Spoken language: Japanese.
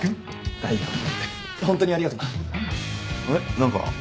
何か。